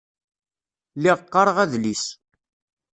Lliɣ qqaṛeɣ adlis.